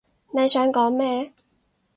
你想講咩？